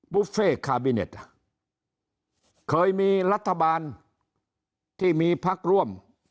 บุฟเฟ่คาบิเน็ตเคยมีรัฐบาลที่มีพักร่วม